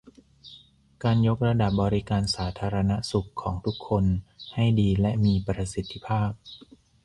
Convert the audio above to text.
การยกระดับบริการสาธารณสุขของทุกคนให้ดีและมีประสิทธิภาพ